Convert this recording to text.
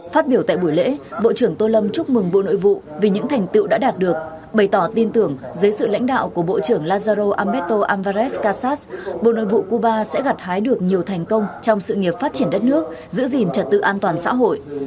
phát biểu tại buổi lễ bộ trưởng tô lâm chúc mừng bộ nội vụ vì những thành tựu đã đạt được bày tỏ tin tưởng dưới sự lãnh đạo của bộ trưởng lazaro ameto alvarez kassas bộ nội vụ cuba sẽ gặt hái được nhiều thành công trong sự nghiệp phát triển đất nước giữ gìn trật tự an toàn xã hội